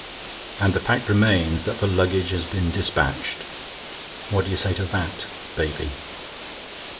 And the fact remains that the luggage has been dispatched. What do you say to that, baby?"